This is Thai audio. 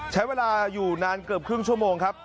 ใช้เวลาอยู่นานเกือบครึ่งชั่วโมงครับ